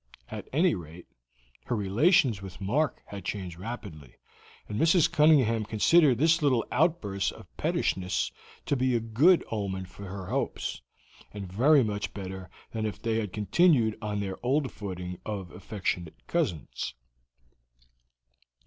At any rate, her relations with Mark had changed rapidly, and Mrs. Cunningham considered this little outburst of pettishness to be a good omen for her hopes, and very much better than if they had continued on their old footing of affectionate cousins.